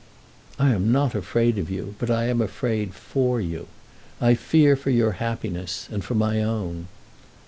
"I am not afraid of you; but I am afraid for you. I fear for your happiness, and for my own."